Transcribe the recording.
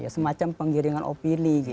semacam penggiringan opili